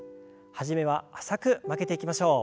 初めは浅く曲げていきましょう。